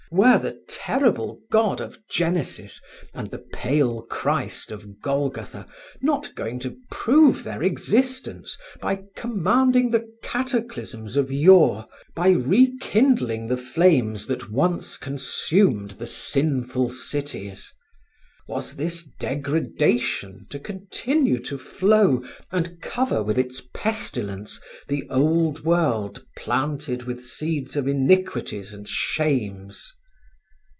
Were the terrible God of Genesis and the Pale Christ of Golgotha not going to prove their existence by commanding the cataclysms of yore, by rekindling the flames that once consumed the sinful cities? Was this degradation to continue to flow and cover with its pestilence the old world planted with seeds of iniquities and shames?